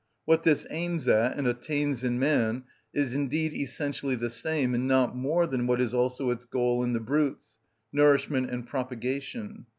What this aims at and attains in man is indeed essentially the same, and not more than what is also its goal in the brutes—nourishment and propagation.